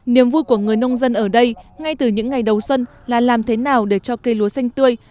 niềm vui của người nông dân ở đây ngay từ những ngày đầu xuân là làm thế nào để cho cây lúa xanh tươi